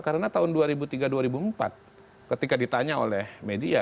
karena tahun dua ribu tiga dua ribu empat ketika ditanya oleh media